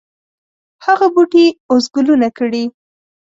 هغه بوټی اوس ګلونه کړي